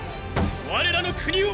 我らの国を！